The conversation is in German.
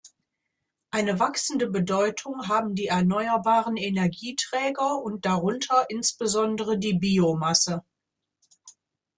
Eine wachsende Bedeutung haben die erneuerbaren Energieträger und darunter insbesondere die Biomasse.